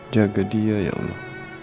jaga dia ya allah